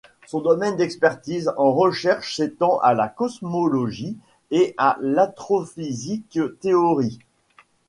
Son domaine d'expertise en recherche s'étend à la cosmologie et à l'astrophysique théorique.